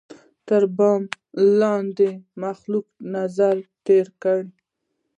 تر بام لاندي یې مخلوق تر نظر تېر کړ